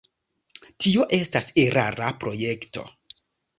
Tio estas erara projekto.